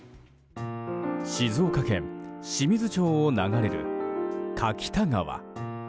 静岡県清水町を流れる柿田川。